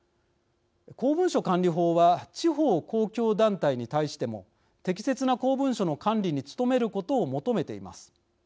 公文書管理法は地方公共団体に対しても適切な公文書の管理に努めることを求めています。